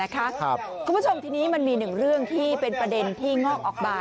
คุณผู้ชมทีนี้มันมีหนึ่งเรื่องที่เป็นประเด็นที่งอกออกมา